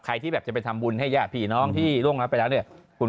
ใครที่แบบจะไปทำบุญให้ย่าพี่น้องที่ล่วงรับไปแล้วเนี่ยคุณ